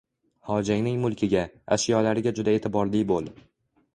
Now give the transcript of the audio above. Xojangning mulkiga, ashyolariga juda e’tiborli bo‘l.